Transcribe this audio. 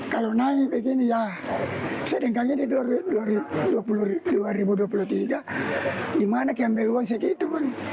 kalau naik begini ya sedangkan ini dua ribu dua puluh tiga dimana kembali uang segitu